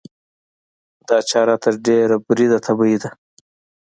دا چاره تر ډېره بریده طبیعي ده.